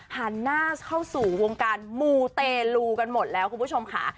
หันหน้าเข้าสู่วงการมูเตลูกันหมดแล้วคุณผู้ชมค่ะ